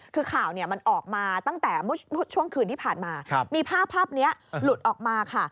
คือข่าวมันออกมาตั้งแต่ช่วงคืนที่ผ่านมามีภาพนี้หลุดออกมาค่ะ